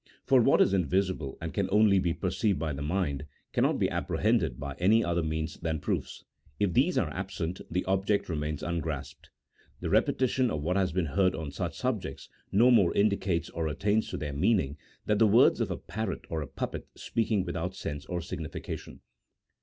For what is invisible and can only be perceived by the mind, cannot be apprehended by any other means than proofs; if these are absent the object re mains ungrasped ; the repetition of what has been heard on such subjects no more indicates or attains to their meaning than the words of a parrot or a puppet speaking without sense or signification.